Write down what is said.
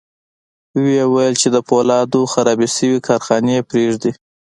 ويې ويل چې د پولادو خرابې شوې کارخانې پرېږدي.